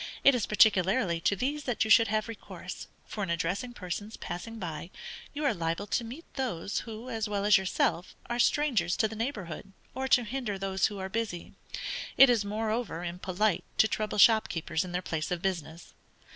It is particularly to these that you should have recourse, for in addressing persons passing by, you are liable to meet those, who, as well as yourself, are strangers to the neighborhood, or to hinder those who are busy; it is moreover, impolite, to trouble shopkeepers in their places of business.